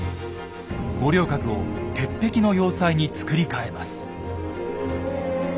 五稜郭を鉄壁の要塞に造り替えます。